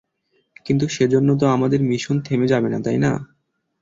কিন্তু সেজন্য তো আমাদের মিশন থেমে যাবে না, তাই না?